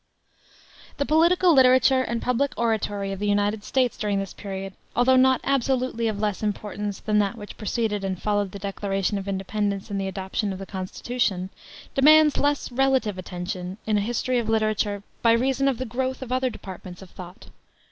The political literature and public oratory of the United States during this period, although not absolutely of less importance than that which preceded and followed the Declaration of Independence and the adoption of the Constitution, demands less relative attention in a history of literature by reason of the growth of other departments of thought.